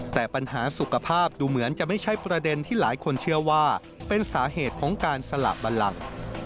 แต่ปัญหาสุขภาพดูเหมือนจะไม่ใช่ประเด็นที่หลายคนเชื่อว่าเป็นสาเหตุของการสละบันลัง